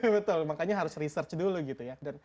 betul makanya harus research dulu gitu ya